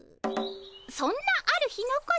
そんなある日のこと。